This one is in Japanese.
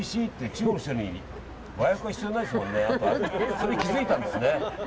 それに気づいたんですね。